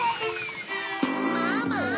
ママ。